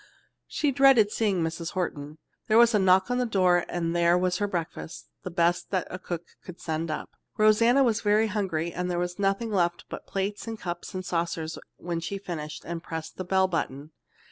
She dreaded seeing Mrs. Horton. There was a knock on the door and there was her breakfast, the best that cook could send up. Rosanna was very hungry, and there was nothing left but plates and cups and saucers when she finished and pressed the bell button.